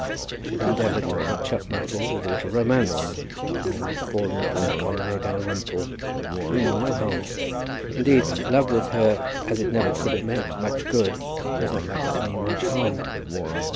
She had endeavoured to patch up matters with a little romance, and then had fallen upon Conway Dalrymple, meaning no harm. Indeed, love with her, as it never could have meant much good, was not likely to mean much harm.